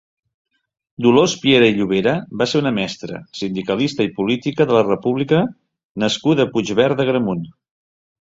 Dolors Piera i Llobera va ser una mestra, sindicalista i politica de la república nascuda a Puigverd d'Agramunt.